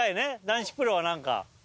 男子プロは何か。